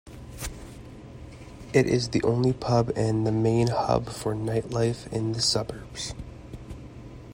It is the only pub and main hub for nightlife in the suburb.